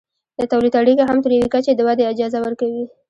د تولید اړیکې هم تر یوې کچې د ودې اجازه ورکوي.